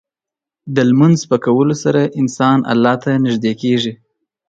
د لمونځ په کولو سره انسان الله ته نږدې کېږي.